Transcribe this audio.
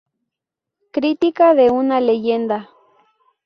Crítica de una leyenda".